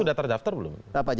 itu sudah terdaftar belum